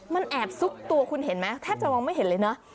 มันแอบซุกตัวคุณเห็นไหมแทบจะมองไม่เห็นเลยนะ